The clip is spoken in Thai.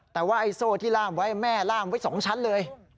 แต่ว่าไอ้โซ่ที่ล่ามไว้แม่ล่ามไว้๒ชั้นเลย